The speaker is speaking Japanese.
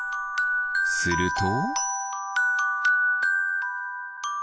すると？